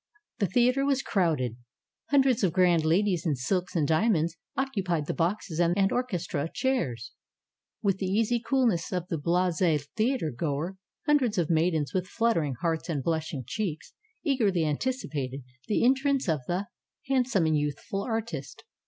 The theater was crowded. Hundreds of grand ladies in silks and diamonds occupied the boxes and orchestra chairs, with the easy coolness of the blase theatergoer. Hundreds of maidens with buttering hearts and blush ing cheeks, eagerly anticipated the entrance of the handsome and youthful artist.